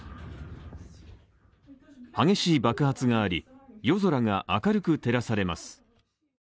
激しい爆発があり、夜空が明るく照らされます。